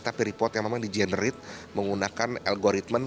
tapi report yang memang digenerate menggunakan algoritmen